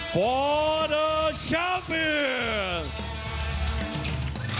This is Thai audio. เพื่อชัลเฟียร์